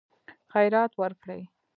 خیرات ورکړي.